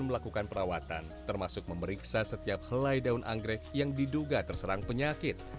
andre juga mengerjakan perawatan termasuk memeriksa setiap helai daun anggrek yang diduga terserang penyakit